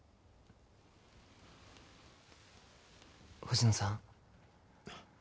星野さん。